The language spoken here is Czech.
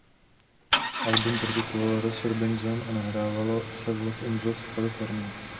Album produkoval Ross Robinson a nahrávalo se v Los Angeles v Kalifornii.